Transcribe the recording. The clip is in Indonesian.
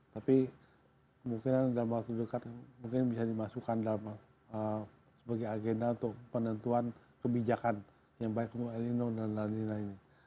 tapi mungkin dalam waktu dekat bisa dimasukkan sebagai agenda untuk penentuan kebijakan yang baik untuk elinor dan lain lain